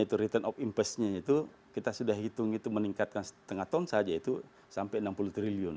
itu return of investnya itu kita sudah hitung itu meningkatkan setengah ton saja itu sampai enam puluh triliun